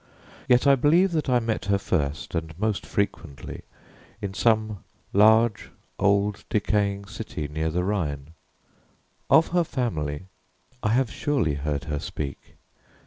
Yet I believe that I met her first and most frequently in some large, old, decaying city near the Rhine. Of her family I have surely heard her speak.